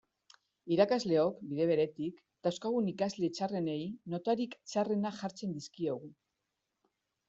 Irakasleok, bide beretik, dauzkagun ikasle txarrenei notarik txarrenak jartzen dizkiegu.